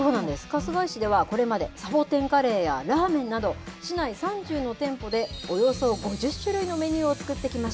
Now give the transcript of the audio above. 春日井市では、これまでサボテンカレーやラーメンなど、市内３０の店舗でおよそ５０種類のメニューを作ってきま